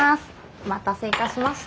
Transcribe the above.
お待たせいたしました。